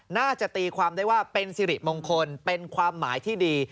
น่าจะตีความได้ว่าเป็นสิริมงคลเป็นความหมายที่ดี